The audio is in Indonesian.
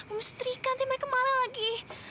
mau mengemerlukan nanti mereka marah lagi